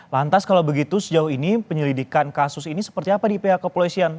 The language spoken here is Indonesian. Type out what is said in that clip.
lantas kalau begitu sejauh ini penyelidikan kasus ini seperti apa di pihak kepolisian